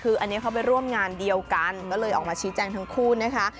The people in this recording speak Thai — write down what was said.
คืออันนี้เขาไปร่วมงานเดียวกันก็เลยออกมาชี้แจงทั้งคู่นะคะ